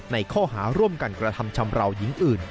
ในข้อหาร่วมกันกระทำชำราวหญิงอื่น